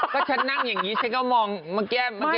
ก็ก็ฉันนั่งอย่างนี้แล้วมันเห็นกู